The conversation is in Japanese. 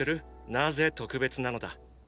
なぜ特別なのだ？